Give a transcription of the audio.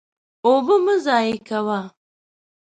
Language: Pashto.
اوبه مه ضایع کوه.